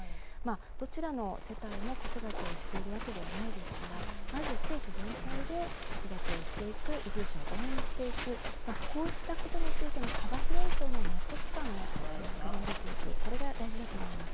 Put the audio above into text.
どちらの世帯も子育てをしているわけではないですから、まず、地域全体で子育てをしていく、移住者を応援していく、こうしたことについての幅広い層の納得感を作り上げていく、これが大事だと思います。